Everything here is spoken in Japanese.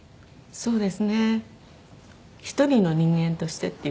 そうです。